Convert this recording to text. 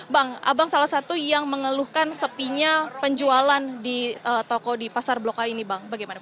bang abang salah satu yang mengeluhkan sepinya penjualan di toko di pasar blok a ini bang bagaimana